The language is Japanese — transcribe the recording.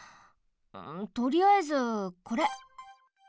とりあえずこれ。